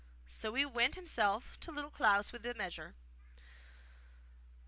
So he went himself to Little Klaus with the measure.